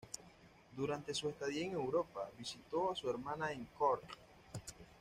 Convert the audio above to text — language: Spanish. Durante su estadía en Europa visitó a su hermana en Cork.